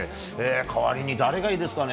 代わりに誰がいいですかね。